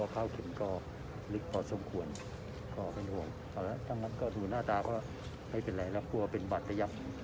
โปรดติดตามตอนต่อไป